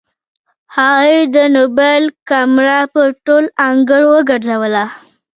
هغې د موبايل کمره په ټول انګړ وګرځوله.